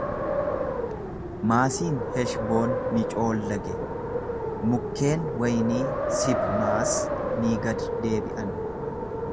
Maasiin Heshboon ni coollage, mukkeen waynii Sibmaas ni gad-deebi'an.